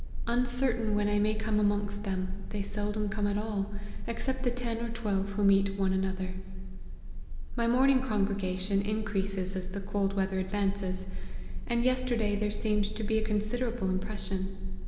Uncertain when I may come amongst them, they seldom come at all, ex cept the ten or twelve who meet one another. My morning congregation increases as the cold weather advances, and yesterday there seemed to be a con siderable impression.